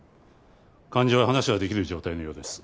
患者は話が出来る状態のようです。